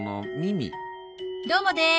どうもです！